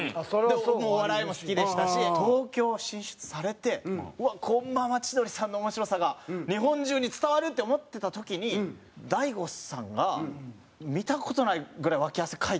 お笑いも好きでしたし東京進出されてうわっこのまま千鳥さんの面白さが日本中に伝わるって思ってた時に大悟さんが見た事ないぐらいわき汗かいてたりしてて。